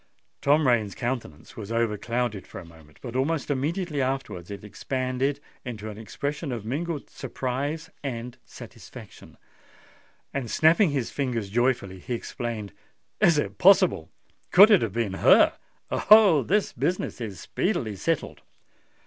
Tom Rain's countenance was overclouded for a moment; but almost immediately afterwards it expanded into an expression of mingled surprise and satisfaction; and snapping his fingers joyfully, he exclaimed, "Is it possible? could it have been her? Oh! this business is speedily settled!"